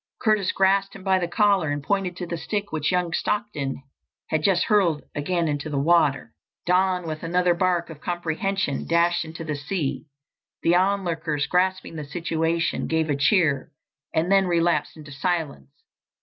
Curtis grasped him by the collar and pointed to the stick which young Stockton had just hurled again into the water. Don, with another bark of comprehension, dashed into the sea. The onlookers, grasping the situation, gave a cheer and then relapsed into silence.